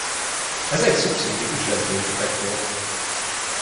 Ez egy szubszónikus rezgésdetektor.